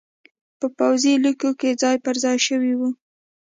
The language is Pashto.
په پوځي لیکو کې ځای پرځای شوي وو